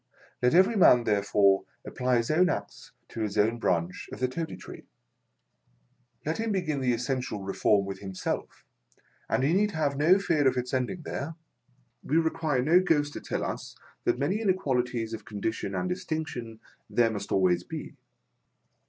Let every man, therefore, apply his own axe to his own branch of the Toady Tree. Let him begin the essential Reform with himself, and he need have no fear of its ending there. We require no ghost to tell us that many inequalities of condition and distinction there must al ways be.